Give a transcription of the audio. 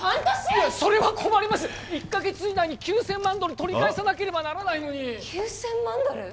いえそれは困ります１か月以内に９千万ドル取り返さなければならないのに９千万ドル！？